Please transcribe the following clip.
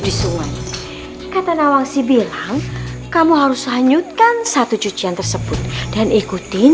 di sungai kata lawang sih bilang kamu harus menyutkan satu cucian tersebut dan ikutin